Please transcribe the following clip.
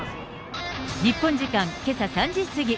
日本時間けさ３時過ぎ。